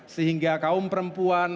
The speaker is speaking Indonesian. sehingga kaum perempuan